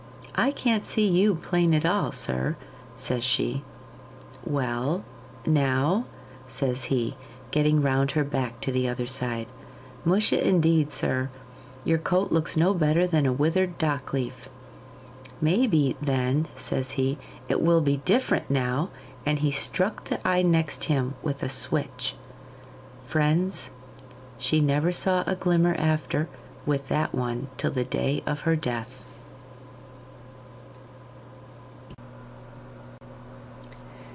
'I can't see you plain at all, sir,' says she. 'Well, now?' says he, getting round her back to the other side. 'Musha, indeed, sir, your coat looks no better than a withered dock leaf.' 'Maybe, then,' says he, 'it will be different now,' and he struck the eye next him with a switch. Friends, she never saw a glimmer after with that one till the day of her death.